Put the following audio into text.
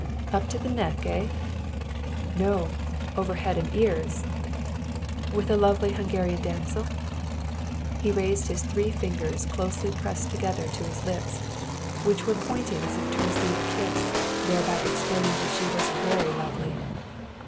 "Up to the neck, eh?" "No, over head and ears." "With a lovely Hungarian damsel?" He raised his three fingers closely pressed together to his lips, which were pointed as if to receive a kiss, thereby explaining that she was very lovely.